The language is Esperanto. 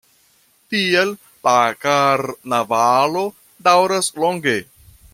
Tiel la karnavalo daŭras longe.